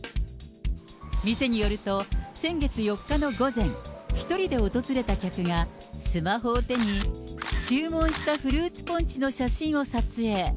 店によると、先月４日の午前、１人で訪れた客が、スマホを手に、注文したフルーツポンチの写真を撮影。